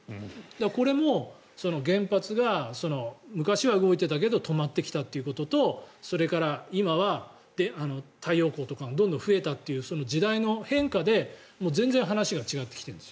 これも原発が昔は動いていたけど止まってきたということとそれから、今は太陽光とかがどんどん増えたという時代の変化で全然話が違ってきているんです。